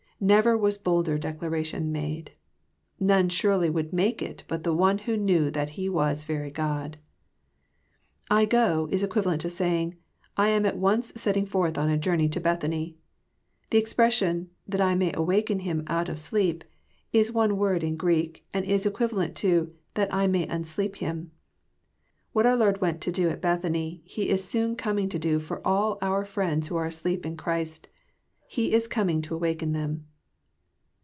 Never was bolder declaration made. None surely would make it but One who knew that He was yery God. I go," is equivalent to sajring, *' I am at once setting forth on a Journey to Bethany." The expression, that <' I may awake him out of sleep," is one word in Greek, and is equivalent to '< that I may unsleep him." What our Lord went to do at Bethany, He is soon coming to do for all our friends who are asleep in Ciirist. He is coming to awaken them.